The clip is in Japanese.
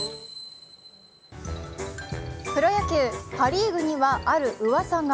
プロ野球・パ・リーグにはあるうわさが。